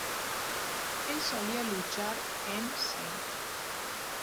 Él solía luchar en St.